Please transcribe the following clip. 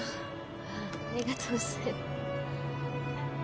ありがとうございます